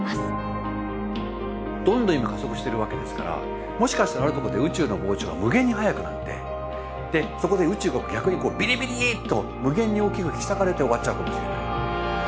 どんどん今加速してるわけですからもしかしたらあるところで宇宙の膨張が無限に速くなってでそこで宇宙が逆にビリビリーッと無限に大きく引き裂かれて終わっちゃうかもしれない。